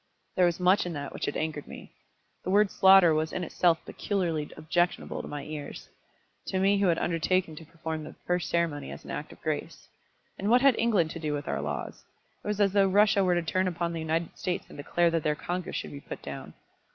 There was much in that which had angered me. The word slaughter was in itself peculiarly objectionable to my ears, to me who had undertaken to perform the first ceremony as an act of grace. And what had England to do with our laws? It was as though Russia were to turn upon the United States and declare that their Congress should be put down.